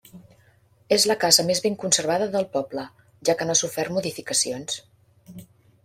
És la casa més ben conservada del poble, ja que no ha sofert modificacions.